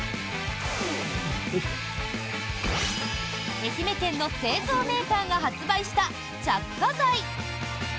愛媛県の製造メーカーが発売した着火剤。